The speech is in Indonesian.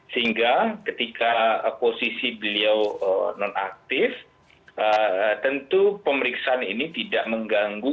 sehingga ketika posisi beliau nonaktif tentu pemeriksaan ini tidak mengganggu